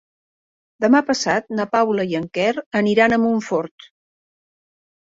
Demà passat na Paula i en Quer aniran a Montfort.